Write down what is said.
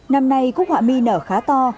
năm nay cúc họa mi nở khá to